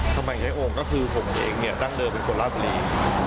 สมัยใจโอ่งก็คือผมเองเนี่ยตั้งเดิมเป็นคนราบบุหรี่